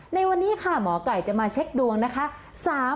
ในวันนี้ค่ะหมอไก่จะมาเช็คดวงนะคะ